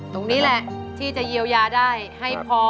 ตรงนี้แหละที่จะเยียวยาได้ให้พอ